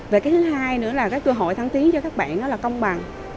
về cái thứ hai nữa là cái cơ hội thăng tiến cho các bạn nó là công bằng